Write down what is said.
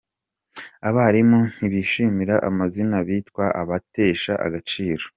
Abarimu ntibishimira amazina bitwa abatesha agaciro